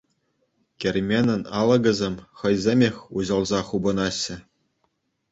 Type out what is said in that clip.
Керменӗн алӑкӗсем хӑйсемех уҫӑлса хупӑнаҫҫӗ.